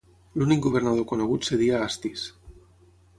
L'únic governador conegut es deia Astis.